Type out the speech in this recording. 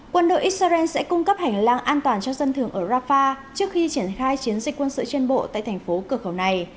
quân đội israel sẽ cung cấp hành lang an toàn cho dân thường ở rafah trước khi triển khai chiến dịch quân sự trên bộ tại thành phố cửa khẩu này